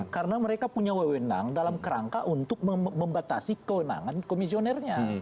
karena mereka punya wewenang dalam kerangka untuk membatasi kewenangan komisionernya